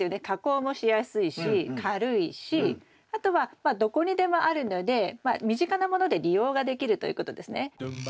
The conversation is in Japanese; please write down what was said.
加工もしやすいし軽いしあとはまあどこにでもあるのでまあ身近なもので利用ができるということですね。